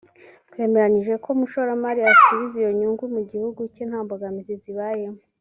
twemeranyije ko umushoramari yasubiza iyo nyungu mu gihugu cye nta mbogamizi zibayemo